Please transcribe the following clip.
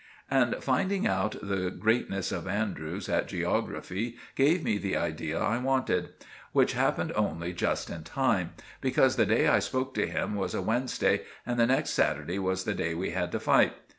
And finding out the greatness of Andrews at geography gave me the idea I wanted, which happened only just in time; because the day I spoke to him was a Wednesday and the next Saturday was the day we had to fight.